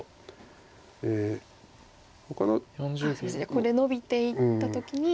ここでノビていった時に。